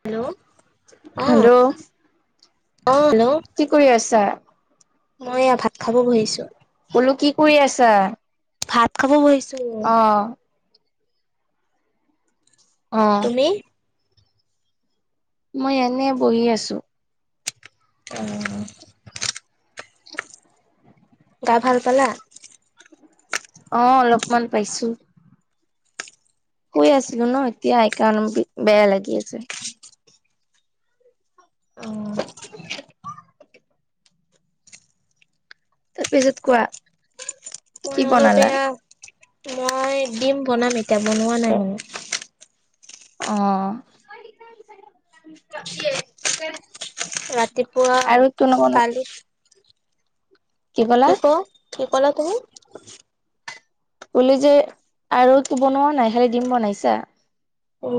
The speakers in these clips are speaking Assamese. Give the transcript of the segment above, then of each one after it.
হেল্ল'। অ হেল্ল'। অ, হেল্ল'। কি কৰি আছা? মই এয়া ভাত খাব বহিছো। বোলো কি কৰি আছা? ভাত খাব বহিছো। অ', অ। তুমি মই এনে বহি আছো। অ। গা ভাল পালা? অ, অলপমান পাইছো। শুই আছিলো ন এতিয়া সেই কাৰণ বেয়া লাগি আছে। অ। তাৰপিছত কোৱা? মই কি অলপ বনালা? এয়া মই ডিম বনাম এতিয়া বনোৱা নাই আৰু। অ। ৰাতিপুৱা আৰু একো নবনা কালি। কি ক, কি ক'লা তুমি? কলো যে আৰু একো বনোৱা নাই খালি ডিম বনাইছা।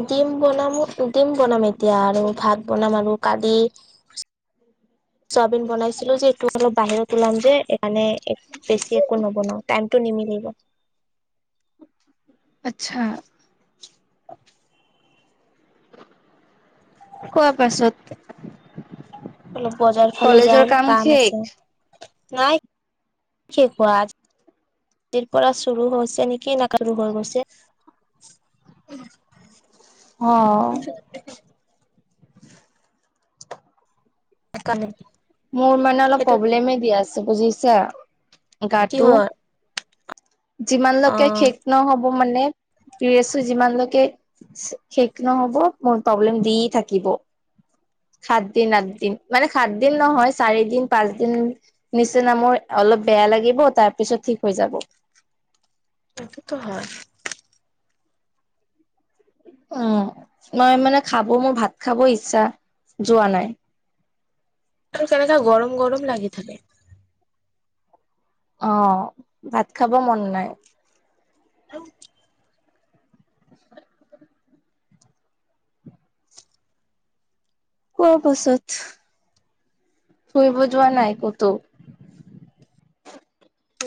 ডিম বনামো, ডিম বনাম এতিয়া আৰু ভাত বনাম আৰু কালি। চয়াবিন বনাইছিলো যে, এইটো অলপ বাহিৰত ওলাম যে সেইকাৰণে এ বেছি একো নবনাও, টাইমটো নিমিলিব। আচ্ছা। কোৱাৰ পাছত বজাৰ ফালে কলেজৰ যাম কাম শেষ? আছে, নাই কি কোৱা আজ জিৰ পৰা চুৰ হৈছে নেকি নাকালবোৰ হৈ গৈছে। উম। অঁ। [unintelligible] সেইকাৰণে মোৰ মানে অলপ সেইটো প্ৰব্লেমে দিয়াছে বুজিছা? কি গাটো, হয় অ যিমানলৈকে শেষ নহব মানে ৰেছো যিমানলৈকে' শে শেষ নহ'ব মোৰ প্ৰব্লেম দি থাকিব'। সাত দিন, আঠ দিন মানে সাত দিন নহয় চাৰি দিন পাঁচ দিন নিচিনা মোৰ অলপ বেয়া লাগিব তাৰ পিছত ঠিক হৈ যাব। সেইটোতো হয়। উম, মই মানে খাব মোৰ ভাত খাব ইচ্ছা যোৱা নাই। আৰু কেনেকা গৰম গৰম লাগি থাকে। অ' ভাত খাব মন নাই। আহ। [inaudible] [unintelligible] কোৱা পাছত? ফুৰিব যোৱা নাই ক'তো?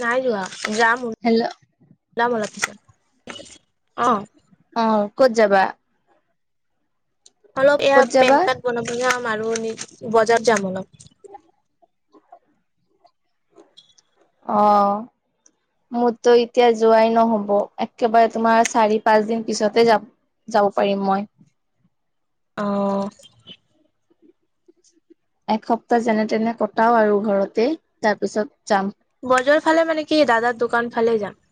নাই যোৱা, যাম হেল্ল' ওলাম অলপ পিছত অ। অ ক'ত যাবা? অলপ এয়া ক'ত পেন যাবা কাৰ্ড বনাব যাম আৰু নি বজাৰ যাম অলপ। অ। মোৰতো এতিয়া যোৱাই নহব, একেবাৰে তোমাৰ চাৰি - পাঁচ দিন পিছতে যা যাব পাৰিম মই। অঁ। এসপ্তাহ যেনে তেনে কটাও আৰু ঘৰতে তাৰপিছত যাম। বজাৰ ফালে মানে কি দাদাৰ দোকান ফালে যাম।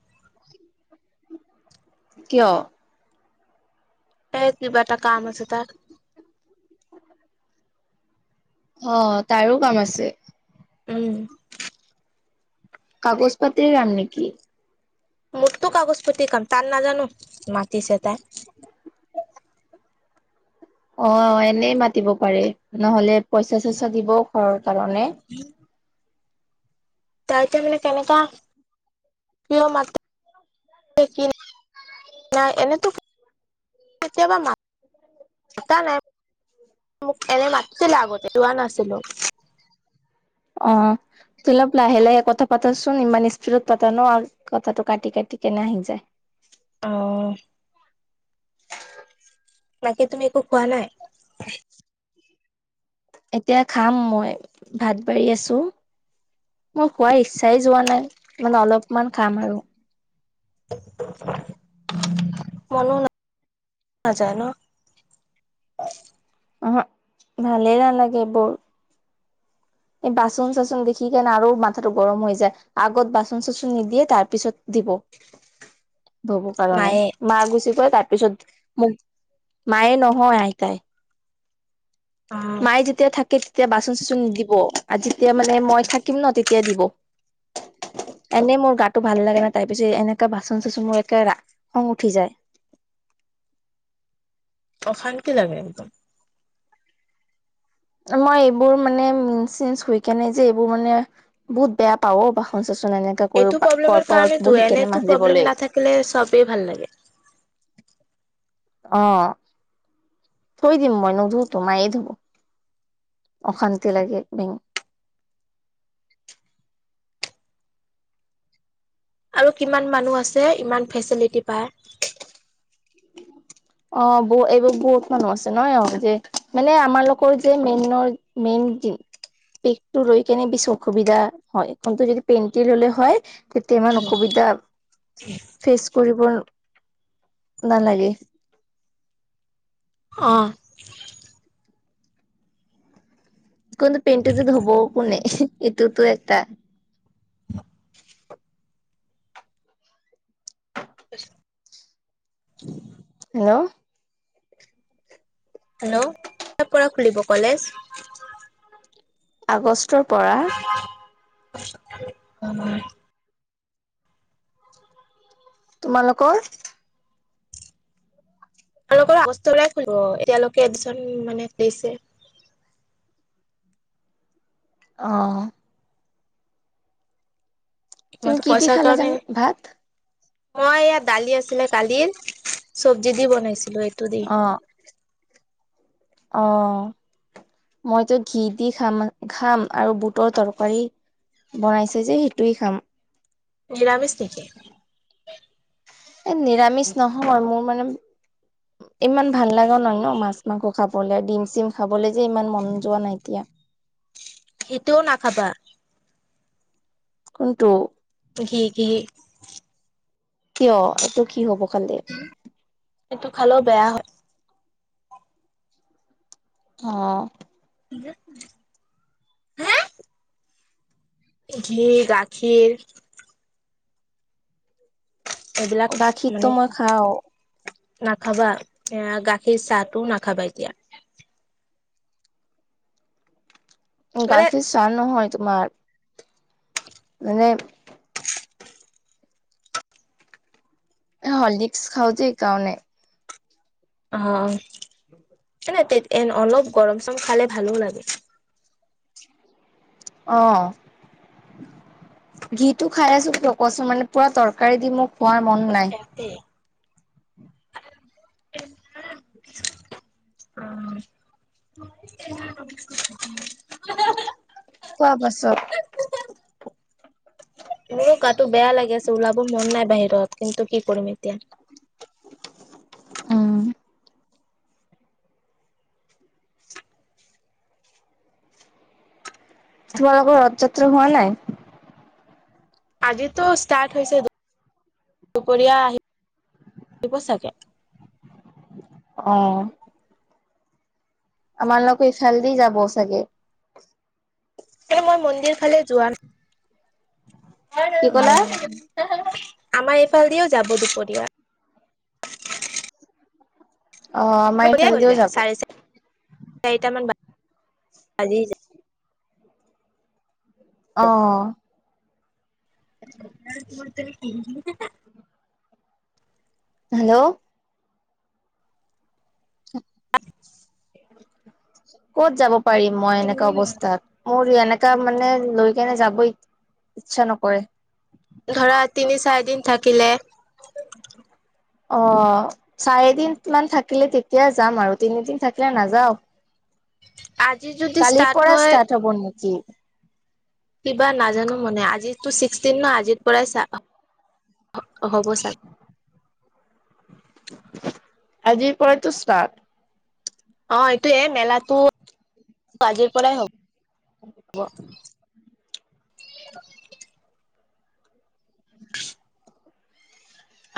কিয়? এ, কিবা এটা কাম আছে তাত। অ' তাৰো কাম আছে। উম। কাগজ পাতি ৰাম নিকি? মোৰতো কাগজ পতি কাম, তাৰ নাজানো মাতিছে তাই? অ এনেই মাতিব পাৰে, নহলে পইচা - চইচা দিবও ঘৰৰ কাৰণে। কি [inaudible] তাইতিয়া মানে কেনেকা কিয় মাত কি নাই এনেতো কেতিয়াবা মা মতা নাই, মোক এনেই মাতিছিলে আগতে যোৱা নাছিলো। অ। তলপ লাহে - লাহে কথা পাতাচোন, ইমান স্পীডত পাতা ন আৰু কথাটো কাটি - কাটি কেনে আহি যায়। অ। তাকে তুমি একো খোৱা নাই? এতিয়া খাম মই, ভাত বাৰী আছোঁ। মোৰ খোৱাৰ ইচ্ছাই যোৱা নাই মানে অলপমান খাম আৰু মনো নাযায় ন। ওহু ভালেই নালাগে এইবোৰ। এই বাচন চাচন দেখি কেনে আৰু মাথাটো গৰম হৈ যায়। আগত বাচন চাচন নিদিয়ে তাৰ পিছত দিব। ধোব কাৰণে মায়ে। মা গুচি যায় তাৰ তাৰ পিছত মোক মায়ে নহয় আইতাই। উম, মায়ে যেতিয়া থাকে তেতিয়া বাচন চাচন, আজি যেতিয়া মানে মই থাকিম ন তেতিয়া দিব। এনেই মোৰ গাতটো ভাল লাগে না তাৰ পিছত এনেকা বাচন চাচন মোৰ একেৰা খং উঠি যায়। অশান্তি লাগে একদম। মই এইবোৰ মানে মি চিন শুই কেনেই যে এইবোৰ মানে, বহুত বেয়া পাও বাচন চাচন এনে। এইটো প্ৰব্লেমৰ কাৰণেইতো এনেটো প্ৰব্লেম মাজিবলৈ নাথাকিলে চবেই ভাল লাগে। অ থৈ দিম মই নুধো তো মায়ে ধুব। অশান্ত লাগে বেং, আৰু কিমান মানুহ আছে ইমান ফেচিলিটি পায়। [unintelligible] অ ব এইবোৰ বহুত মানুহ আছে নহ অ যে মানে আমাৰ লোকৰ যে মেইনৰ, মেইন [unintelligible] পেকটো ৰৈ কেনে বেছি অসুবিধা হয় অন্ত যদি পেনটি ল'লে হয়। তেতিয়া ইমান অসুবিধা ফেচ কৰিব নালাগে। অ টো পেণ্টটোত ধুব কোনে এইটোতো এটা, [unintelligible] হেল্ল', হেল্ল' কৰ পৰা খুলিব কলেজ। আগষ্টৰ পৰা। [unintelligible] তোমালোকৰ। আৰু অক আগষ্ট লৈকে খুলিব এতিয়ালৈকে এডমিন মানে দিছে। অ তুমি মইতো কি দি পইচাৰ খালা কাৰণে, জানো ভাত মই ইয়াত দালি আছিলে কালিৰ চবজি দি বনাইছিলো এইটো, দি। অ, অ মইতো ঘি দি খাম খাম আৰু বুটৰ তৰকাৰী। বনাইছে যে সেইটোৱে খাম। নিৰামিছ নেকি। এ নিৰামিষ নহয় মোৰ মানে, ইমান ভাল লগা নহয় ন মাছ মাংস খাবলৈ ডিম চিম খাবলৈ যে ইমান মন যোৱা নাই এতিয়া। সেটোও নাখাবা। কোনটো। ঘি কি, কিয় এইটো কি হ'ব খালে। সেইটো খালেও বেয়া হয়। অ, [unintelligible] ঘি গাখীৰ। এইবিলাক গাখীৰটো মানে। মই খাও নাখাবা এয়া গাখীৰ চাহটো নাখাবা এতিয়া। মানে গাখীৰ চাহ নহয় তোমাৰ। মানে এ হলিক্স খাও যে সেইকাৰণে। অ' অলপ গৰম চৰম খালে ভালো লাগে। অ', ঘিটো খাই আছো কিয় কচোন মানে পুৰা তৰকাৰী দি মোক খোৱাৰ মন নাই। তে অ খোৱা পাছত গাতো বেয়া লাগে আছে ওলাব মন নাই বাহিৰত কিন্তু কি কৰিম এতিয়া। উম। তোমালোকৰ ৰথ যাত্ৰা হোৱা নাই। আজিতো ষ্টাৰ্ট হৈছে দুপৰীয়া আহি আহিব চাগে। অ', আমাৰ লগৰ এফালেদি যাব চাগে। এ মই মন্দিৰ ফালে যোৱা ন কি উম, ক'লা আমাৰ এইফালেদিও যাব দুপৰীয়া। অ আমাৰ হৈ ইফালেদিও যায় যাব চাৰে চা চাৰিট মান বা [unintelligible] অ' [unintelligible] হেল্ল' ক'ত যাব পাৰিম মই এনেকা ধৰা অৱস্থাত। মোৰ এনেকা মানে লৈ কেনে যাব ইচ্ছা নকৰে। ধৰা তিনি চাৰি দিন থাকিলে। অ' চাৰিদিন মান থাকিলে তেতিয়া যাম আৰু তিনিদিন থাকিলে নাযাও। আজি যদি কালিৰ ষ্টাৰ্ট পৰা হয় ষ্টাৰ্ট হব নেকি? কিবা নাজানো মানে আজিটো ছিক্সটিন না আজিৰ পৰাই চা হ'ব ছা আজিৰ পৰাই টো ষ্টাৰ্ট। অ' এইটোয়ে মেলাটো আজিৰ পৰাই হ'ব হব।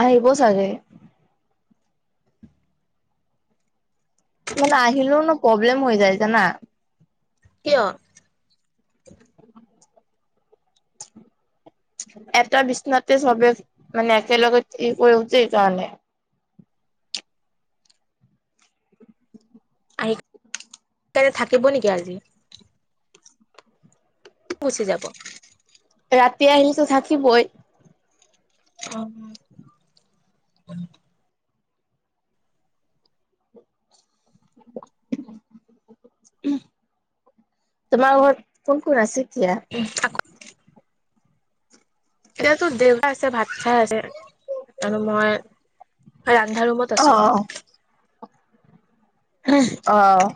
আহিব চাগে। মানে আহিলেও নো প্ৰব্লেম হৈ যায় জানা। কিয়? এটা বিচনাতে চবে মানে একেলগে ই কৰো যে সেইকাৰণে। আহি থাকিব নেকি আজি? গুচি যাব। ৰাতি আহিলেতো থাকিবই। অ'। [unintelligible] তোমাৰ ঘৰত কোন-কোন আছে এতিয়া। [unintelligible] এয়া তোৰ দেউ আছে ভাত খাই আছে আৰু মই এ ৰন্ধা ৰুমত অ আছোঁ। অ'।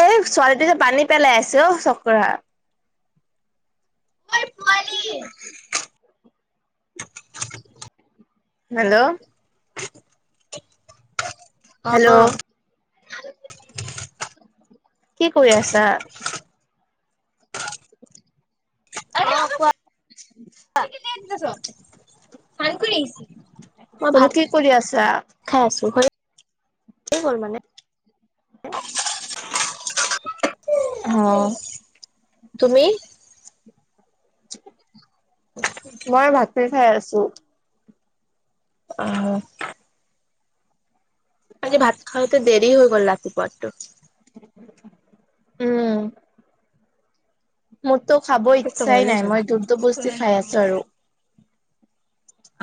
এ ছোৱালীটো যে পানী পেলাই আছে অ চক্ৰাৰ ঐ পোৱালী। [unintelligible] হেল্ল'? হেল্ল'? কি কৰি আছা? [unintelligible] [unintelligible] [unintelligible] মই বোলো ভাত কি কৰি আছা খাই আছোঁ, য় গল মানে। [unintelligible] অঁ তুমি? মই ভাতে খাই আছোঁ। অ'। ভাত খাওঁতে দেৰি হৈ গল ৰাতিপুৱাৰটো। উম। মোৰতো খাব ইচ্ছাই ঘৰলৈ নাই, যাবা মই যুৰ যবস্তি খাই আছোঁ আৰু।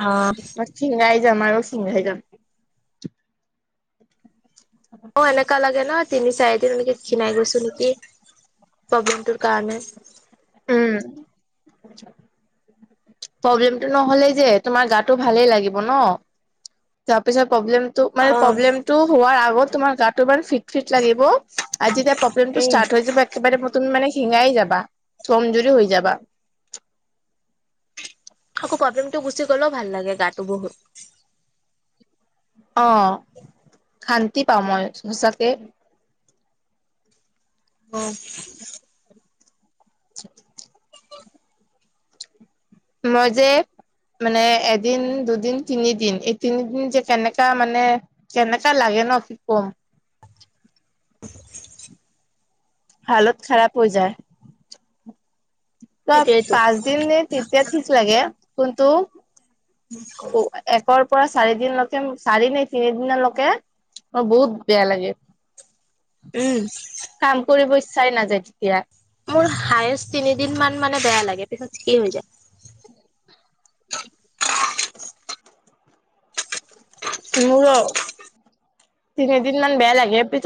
অ মই ক্ষিনাই যাম আৰু ক্ষিনাই যাম। [unintelligible] অ', এনেকা লাগে ন তিনি চাৰিদিন এনেকে খিনাই গৈছোঁ নেকি প্ৰব্লেমটোৰ কাৰণে। উম। প্ৰব্লেমতটো নহলেই যে তোমাৰ গাটো ভালেই লাগিব ন? তাৰপিছত প্ৰব্লেম টো অ মানে প্ৰব্লেমটো হোৱাৰ আগত তোমাৰ গাটো ইমান ফিট-ফিট লাগিব। আজি এতিয়া প্ৰব্লেম টো উম ষ্টাৰ্ট হৈ যাব একেবাৰে তুমি মানে ক্ষিনাই যাবা কমজুৰি হৈ যাবা। প্ৰব্লেমটো গুচি গ'লেও ভাল লাগে গাটো বহুত। অ', শান্তি পাওঁ মই সচাকে। অঁ'। [unintelligible] মই যে মানে এদিন, দুদিন, তিনিদিন, এই তিনিদিন যে কেনেকা মানে কেনেকা লাগে ন কি কম। হালত খাৰাপ হৈ যায়। পোৰা সেইটোয়েতো পাঁচ দিন তেতিয়া ঠিক লাগে, কিন্তু- নি [unintelligible] উ একৰ পৰা চাৰিদিন লৈকে কেচাৰি নে তিনিদিনৰ লকে অ', বহুত বেয়া লাগে। উম। কাম কৰিব ইচ্ছাই নাযায় তেতিয়া। মোৰ হায়েষ্ট তিনিদিন মান মানে বেয়া লাগে, পিছত ঠিকে হৈ যায়। [unintelligible] মোৰো, তিনিদিন মান বেয়া লাগে পিছত